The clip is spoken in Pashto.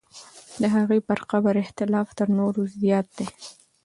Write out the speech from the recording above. د هغې پر قبر اختلاف تر نورو زیات دی.